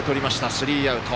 スリーアウト。